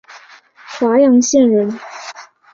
华阳县人。